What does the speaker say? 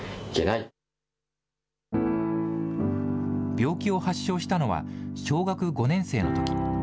病気を発症したのは小学５年生のとき。